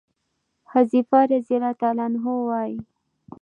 حذيفه رضي الله عنه وايي: